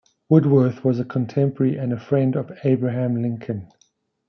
Woodworth was a contemporary, and friend, of Abraham Lincoln.